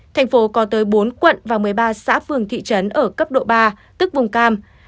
thành phố có tới bốn quận và một mươi ba xã phường thị trấn ở cấp độ ba tức vùng cam